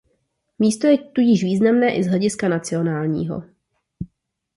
Místo je tudíž významné i z hlediska nacionálního.